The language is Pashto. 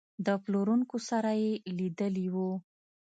د پلورونکو سره یې لیدلي وو.